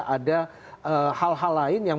ada hal hal lain yang